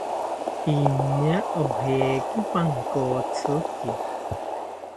Iñaa ojeki pankotziki